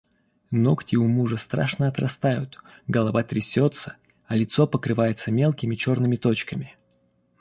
Ногти у мужа страшно отрастают, голова трясётся, а лицо покрывается мелкими чёрными точками.